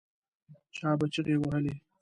چا به چیغې وهلې.